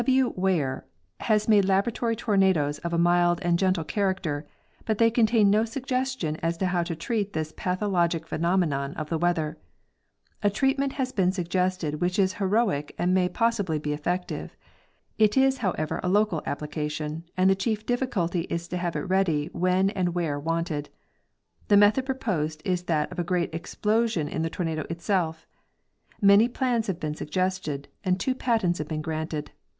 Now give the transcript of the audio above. M Weyher has made laboratory tornadoes of a mild and gentle character, but they contain no suggestion as to how to treat this pathologic _ phenomenon of the weather. A treatment has been suggested which is heroic and may pos sibly be effective. It is, however, a local application, and the chief difficulty is to have it ready when and where wanted. The method proposed is that of a great explosion in the tornado itself. Many plans have been suggested, and two patents have been granted.